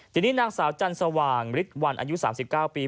ทีนี้นางสาวจันทร์สว่างฤทธิ์วันอายุ๓๙ปี